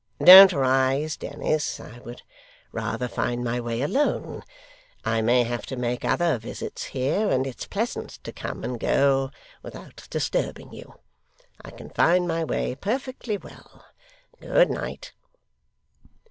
Don't rise, Dennis: I would rather find my way alone. I may have to make other visits here, and it's pleasant to come and go without disturbing you. I can find my way perfectly well. Good night!